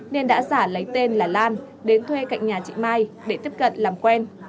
nên đã giả lấy tên là lan đến thuê cạnh nhà chị mai để tiếp cận làm quen